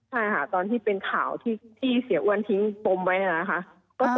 ใช่ค่ะตอนที่เป็นข่าวที่เสียอ้วนทิ้งปมไว้นะคะ